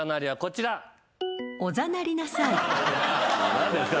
何ですか？